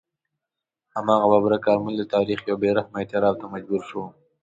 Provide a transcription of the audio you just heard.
هماغه ببرک کارمل د تاریخ یو بې رحمه اعتراف ته مجبور شو.